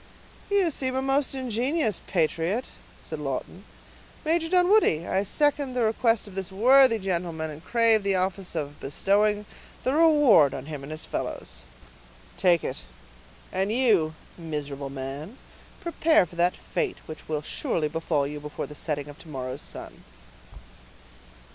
"You seem a most ingenious patriot," said Lawton. "Major Dunwoodie, I second the request of this worthy gentleman, and crave the office of bestowing the reward on him and his fellows." "Take it; and you, miserable man, prepare for that fate which will surely befall you before the setting of to morrow's sun."